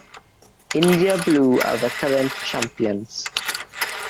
India Blue are the current champions.